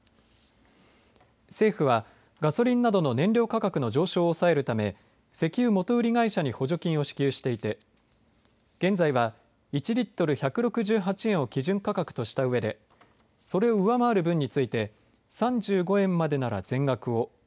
政府は、ガソリンなどの燃料価格の上昇を抑えるため石油元売り会社に補助金を支給していて現在は、１リットル１６８円を基準価格としたうえでそれを上回る分について３５円までなら全額を。